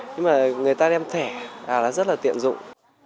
nhưng mà người ta đem thẻ là rất là tiện dụng